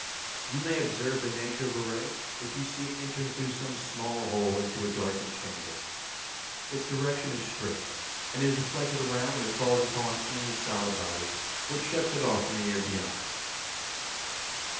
You may observe the nature of a ray if you see it entering through some small hole into a darkened chamber. Its direction is straight; and it is reflected around when it falls upon any solid body, which shuts it off from the air beyond.